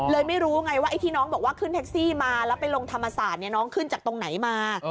เลยไม่รู้ไงว่าที่น้องบอกว่าขึ้นแท็กซี่มาลองถามสารนี้น้องขึ้นจากไหนมา